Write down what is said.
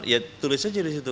ya tulis aja di situ